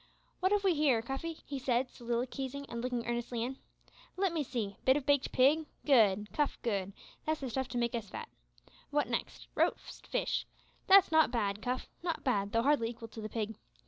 "Wot have we here, Cuffy?" he said soliloquising and looking earnestly in; "let me see; bit of baked pig good, Cuff, good; that's the stuff to make us fat. Wot next? Roast fish that's not bad, Cuff not bad, though hardly equal to the pig.